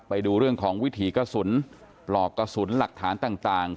ไปดูเรื่องของวิถีกระสุนปลอกกระสุนหลักฐานต่าง